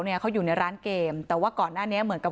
แต่คนที่เบิ้ลเครื่องรถจักรยานยนต์แล้วเค้าก็ลากคนนั้นมาทำร้ายร่างกาย